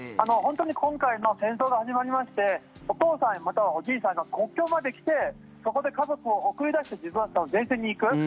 本当に今回の戦争が始まりましてお父さん、またはおじいさんが国境まで来てそこで家族を送り出して自分は前線に行く。